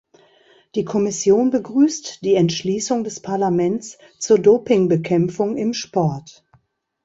Die Kommission begrüßt die Entschließung des Parlaments zur Dopingbekämpfung im Sport.